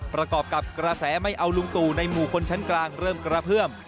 ประกอบกับกระแสไม่เอาลุงตู่ในหมู่คนชั้นกลางเริ่มกระเพื่อม